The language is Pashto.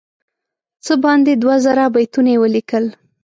څه باندې دوه زره بیتونه یې ولیکل.